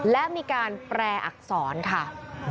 และมีการแปรอักษรค่ะ